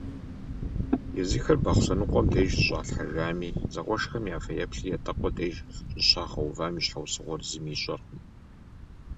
Езыхэр Бахъсэныкъуэм деж щыщӏалъхьэжами, зэкъуэшхэм я фэеплъыр Ятӏэкъуэ деж щӏыщагъэувам и щхьэусыгъуэр зыми ищӏэркъым.